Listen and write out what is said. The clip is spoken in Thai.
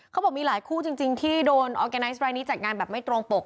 เขาบอกมีหลายคู่จริงที่โดนออร์แกไนซ์รายนี้จัดงานแบบไม่ตรงปก